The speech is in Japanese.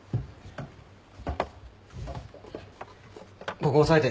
ここ押さえて。